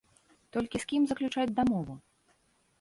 Толькі з кім заключаць дамову?